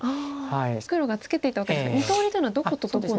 黒がツケていったわけですが２通りというのはどことどこなんですか？